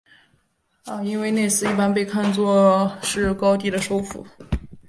印威内斯一般被看作是高地的首府。